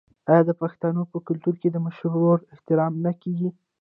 آیا د پښتنو په کلتور کې د مشر ورور احترام نه کیږي؟